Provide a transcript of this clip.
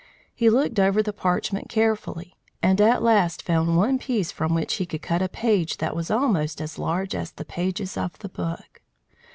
He looked over the parchment carefully, and at last found one piece from which he could cut a page that was almost as large as the pages of the book.